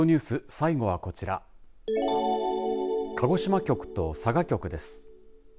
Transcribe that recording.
最後はこちら鹿児島局と佐賀局です。